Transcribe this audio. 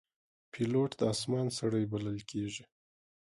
پیلوټ د آسمان سړی بلل کېږي.